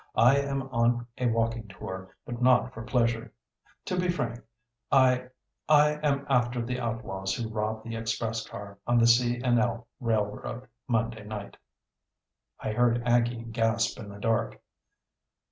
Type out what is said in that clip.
I am on a walking tour, but not for pleasure. To be frank, I I am after the outlaws who robbed the express car on the C. & L. Railroad Monday night." I heard Aggie gasp in the dark.